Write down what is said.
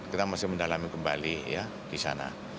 kita masih mendalami kembali ya di sana